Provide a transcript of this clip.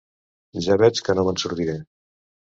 Ja veig que no me'n sortiré.